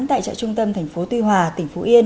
tại chợ trung tâm thành phố tuy hòa tỉnh phú yên